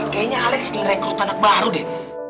kayaknya alex ngerekrut anak baru deh